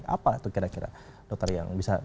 apa itu kira kira dokter yang bisa